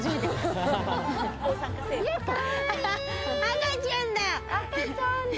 赤ちゃんだ！